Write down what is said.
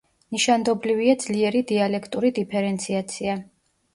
ნიშანდობლივია ძლიერი დიალექტური დიფერენციაცია.